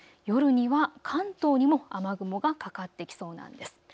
夜には関東にも雨雲がかかってきそうなんです。